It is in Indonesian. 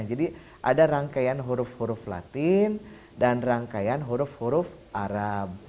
jadi ada rangkaian huruf huruf latin dan rangkaian huruf huruf arab